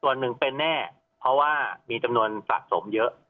ส่วนหนึ่งเป็นแน่เพราะว่ามีจำนวนสะสมเยอะ